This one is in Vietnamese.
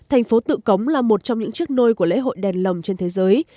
thành phố tự cống là một trong những chiếc nôi của lễ hội đèn lồng trên thế giới